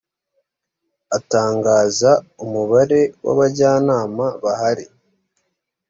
atangaza umubare w abajyanama bahari